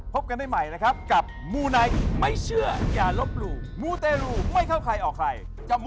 โปรดติดตามตอนต่อไป